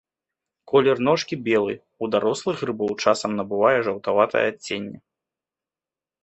Колер ножкі белы, у дарослых грыбоў часам набывае жаўтаватае адценне.